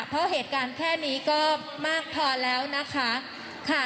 เพราะเหตุการณ์แค่นี้ก็มากพอแล้วนะคะค่ะ